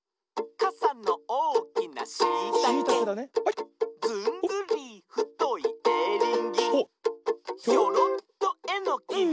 「カサのおおきなシイタケ」「ずんぐりふといエリンギ」「ひょろっとエノキに」